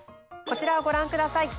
こちらをご覧ください。